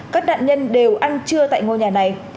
các nạn nhân đều ăn trưa tại ngôi nhà này